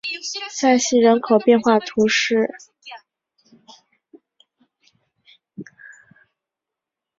塞西人口变化图示